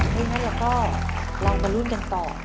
ทีนี้เราก็ลองมารุ่นกันต่อ